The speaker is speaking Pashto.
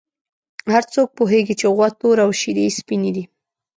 هر څوک پوهېږي چې غوا توره او شیدې یې سپینې دي.